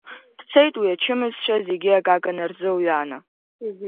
Дцеит уи ачымазцәа зегьы акака нарзылҩааны.